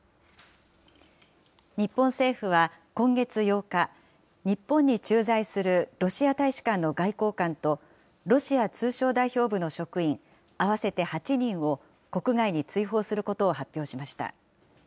日本政府は今月８日、日本に駐在するロシア大使館の外交官と、ロシア通商代表部の職員、合わせて８人を、国外に追放することを発表しました。